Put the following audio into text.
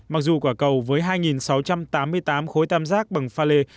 mặc dù quả cầu với hai sáu trăm tám mươi tám khối tam giác bằng pha lê